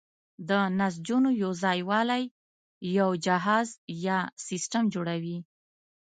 د نسجونو یوځای والی یو جهاز یا سیستم جوړوي.